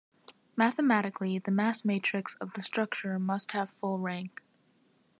Mathematically, the mass matrix of the structure must have full rank.